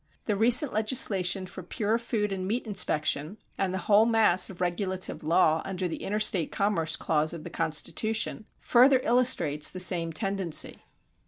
The recent legislation for pure food and meat inspection, and the whole mass of regulative law under the Interstate Commerce clause of the constitution, further illustrates the same tendency.